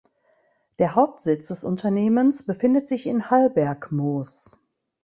Der Hauptsitz des Unternehmens befindet sich in Hallbergmoos.